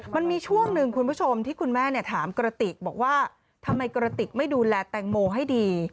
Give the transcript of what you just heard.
มันมีช่วงหนึ่งคุณผู้ชมที่คุณแม่ถามกระติกบอกว่าทำไมกระติกไม่ดูแลแตงโมให้ดี